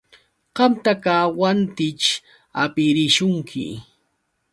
Qamtaqa wantićh hapirishunki.